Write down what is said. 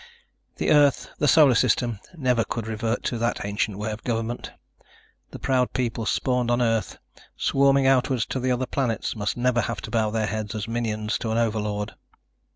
The Earth, the Solar System, never could revert to that ancient way of government. The proud people spawned on the Earth, swarming outward to the other planets, must never have to bow their heads as minions to an overlord.